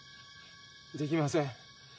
できません。